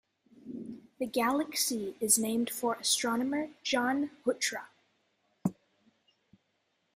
The galaxy is named for astronomer John Huchra.